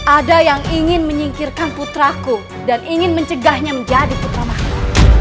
ada yang ingin menyingkirkan putraku dan ingin mencegahnya menjadi putra mahko